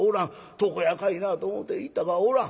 床屋かいなあと思て行ったがおらん。